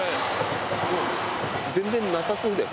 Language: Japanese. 全然なさそうだよ。